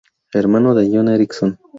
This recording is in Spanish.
Hermano de John Ericsson.